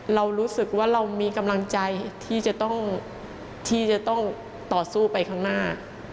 เรารู้สึกว่าเรามีกำลังใจที่จะต้องที่จะต้องต่อสู้ไปข้างหน้า